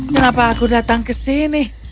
kenapa aku datang ke sini